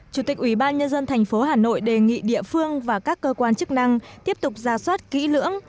chủ tịch ubnd tp hà nội đề nghị địa phương và các cơ quan chức năng tiếp tục ra soát kỹ lưỡng